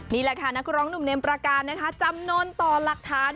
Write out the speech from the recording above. นี่แหละค่ะนักร้องหนุ่มเมมประการนะคะจำนวนต่อหลักฐาน